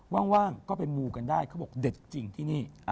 ว่างก็ไปมูกันได้เขาบอกเด็ดจริงที่นี่